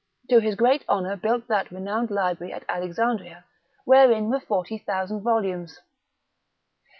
to his great honour built that renowned library at Alexandria, wherein were 40,000 volumes.